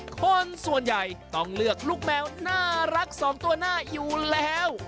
คนส่วนใหญ่ต้องเลือกลูกแมวน่ารักสองตัวหน้าอยู่แล้ว